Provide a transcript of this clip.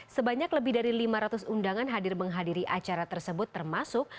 sebanyak lebih dari lima ratus undangan hadir menghadiri acara tersebut termasuk